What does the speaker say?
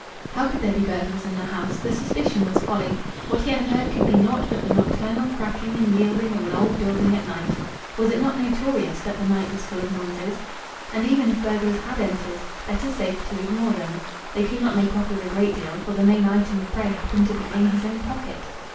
How could there be burglars in the house? The suspicion was folly. What he had heard could be naught but the nocturnal cracking and yielding of an old building at night. Was it not notorious that the night was full of noises? And even if burglars had entered!... Better, safer, to ignore them! They could not make off with a great deal, for the main item of prey happened to be in his own pocket.